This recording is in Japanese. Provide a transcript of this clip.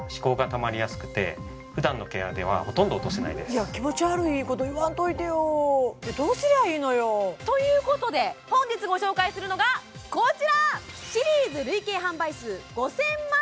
しかも気持ち悪いこと言わんといてよでどうすりゃいいのよ？ということで本日ご紹介するのがこちら！